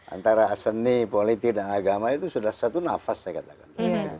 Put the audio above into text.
antara seni politik dan agama itu sudah satu nafas saya katakan